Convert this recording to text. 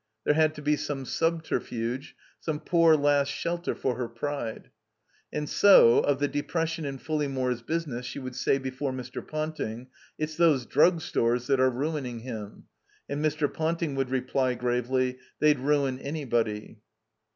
There had to be some subterfuge, some poor last shelter for her pride. And so, of the depression in Fulleymore's business she would say before Mr. Pouting, "It's those Drug Stores that are ruining him," and Mr. Ponting would reply, gravely, "They'd ruin anybody.''